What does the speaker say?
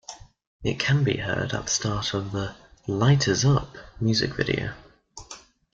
It can be heard at the start of the "Lighters Up" music video.